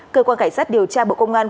cơ quan cảnh sát điều tra bộ công an